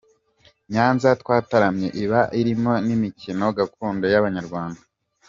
Nyanza Twataramye iba irimo n'imikino gakondo y'abanyarwanda.